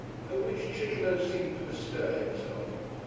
At which Chitterlow seemed to bestir himself.